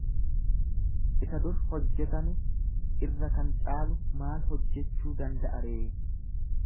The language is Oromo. isa dur hojjetame irra kan caalu maal hojjechuu danda'a ree?